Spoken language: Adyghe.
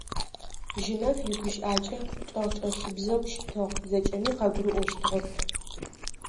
Жьынэф игущыӏакӏэ чӏэгъычӏэлъыбзэу щытыгъ, зэкӏэми къагурыӏощтыгъэп.